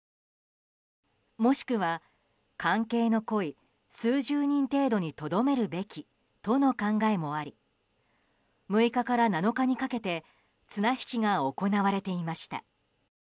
もしくは関係の濃い数十人程度にとどめるべきとの考えもあり６日から７日にかけて綱引きが行われていました。